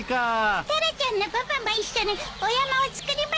タラちゃんのパパも一緒にお山を作りましょうよ。